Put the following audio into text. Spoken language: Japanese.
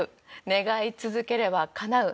願い続ければかなう。